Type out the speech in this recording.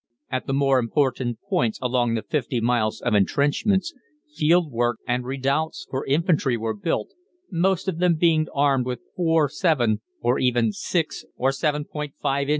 At the more important points along the fifty miles of entrenchments, field works and redoubts for infantry were built, most of them being armed with 4·7 or even 6 and 7·5 in.